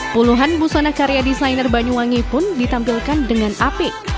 puluhan busana karya desainer banyuwangi pun ditampilkan dengan apik